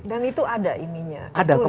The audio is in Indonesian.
dan itu ada ininya